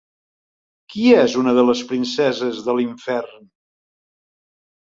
Qui és una de les princeses de l'infern?